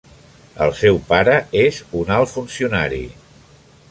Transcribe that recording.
El seu pare és un alt funcionari.